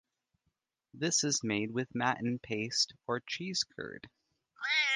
This is made with "matten" paste or cheese curd.